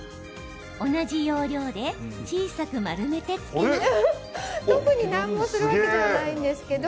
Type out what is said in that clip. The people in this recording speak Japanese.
同じ要領で小さく丸めてつけます。